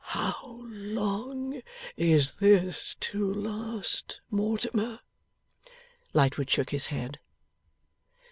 'How long is this to last, Mortimer?' Lightwood shook his head.